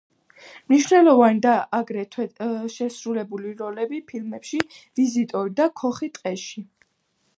მნიშვნელოვანი იყო აგრეთვე შესრულებული როლები ფილმებში „ვიზიტორი“ და „ქოხი ტყეში“.